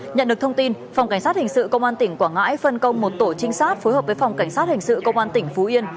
nhận được thông tin phòng cảnh sát hình sự công an tỉnh quảng ngãi phân công một tổ trinh sát phối hợp với phòng cảnh sát hình sự công an tỉnh phú yên